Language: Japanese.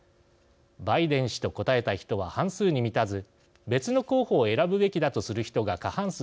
バイデン氏と答えた人は半数に満たず別の候補を選ぶべきだとする人が過半数を占めています。